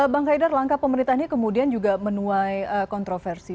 bang haidar langkah pemerintah ini kemudian juga menuai kontroversi